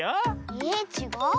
えっちがう？